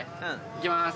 いきまーす。